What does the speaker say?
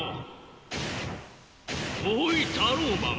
おいタローマン。